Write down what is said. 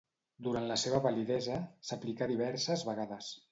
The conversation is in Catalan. Durant la seva validesa s'aplicà diverses vegades.